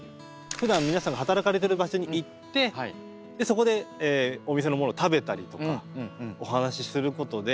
ふだん皆さんが働かれてる場所に行ってそこでお店の物を食べたりとかお話することでより近くなる。